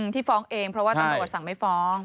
ที่ฟ้องเองเพราะว่าตำรวจสั่งไม่ฟ้อง